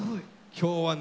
今日はね